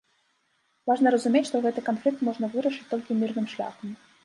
Важна разумець, што гэты канфлікт можна вырашыць толькі мірным шляхам.